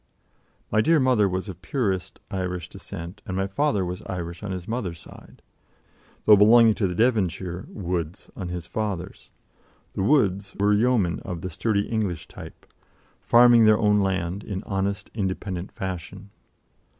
My dear mother was of purest Irish descent, and my father was Irish on his mother's side, though belonging to the Devonshire Woods on his father's. The Woods were yeomen of the sturdy English type, farming their own land in honest, independent fashion.